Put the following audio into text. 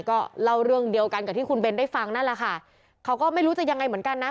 ก็เล่าเรื่องเดียวกันกับที่คุณเบนได้ฟังนั่นแหละค่ะเขาก็ไม่รู้จะยังไงเหมือนกันนะ